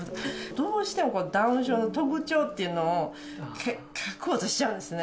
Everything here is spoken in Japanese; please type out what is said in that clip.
どうしてもダウン症の特徴っていうのを描こうとしちゃうんですね。